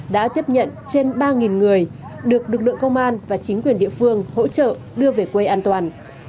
đã tiếp nhận trên ba người được lực lượng công an và chính quyền địa phương hỗ trợ đưa về quê an toàn